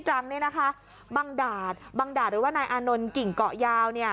ดรังบ้างดาตบ้างดาตคือนายอานนุลกิ่งเกาะยาว